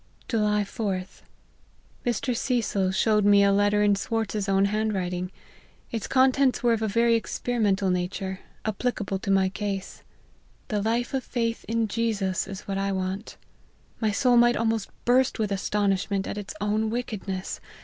" July 4th* Mr. Cecil showed me a letter in Swartz's own hand writing. Its contents were of a very experimental nature, applicable to my case. The life of faith in Jesus is what I want. My soul might almost burst with astonishment at its own wickedness